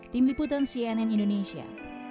tim liputan cnn indonesia